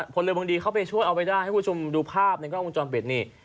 ผลลืมวงดีเขาไปช่วยเอาไปได้ให้คุณผู้ชมดูภาพในกล้องกลางจอมเบ็ดนี่